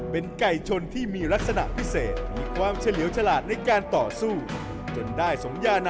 เป็นไก่ชนที่มีลักษณะพิเศษ